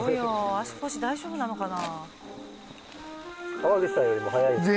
足腰大丈夫なのかな？